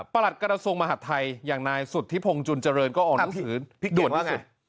ประหลัดกรรมศูนย์มหาธัยอย่างนายสุดที่พงศ์จุลเจริญก็ออกหนังสือด่วนที่สุด